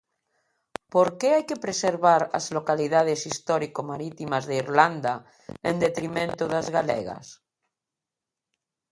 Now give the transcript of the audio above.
Porqué hai que preservar as localidades histórico marítimas de Irlanda en detrimento das galegas?